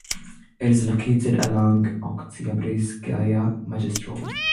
It is located along Oktyabrskaya Magistral.